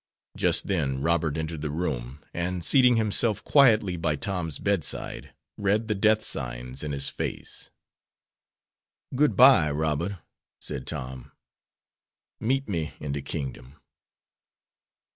Just then Robert entered the room, and, seating himself quietly by Tom's bedside, read the death signs in his face. "Good bye, Robert," said Tom, "meet me in de kingdom."